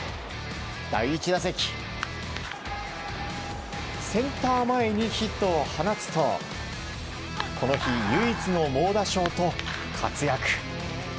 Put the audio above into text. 第１打席センター前にヒットを放つとこの日唯一の猛打賞と活躍。